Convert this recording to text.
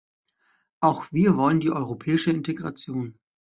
Auch wir wollen die europäische Integration.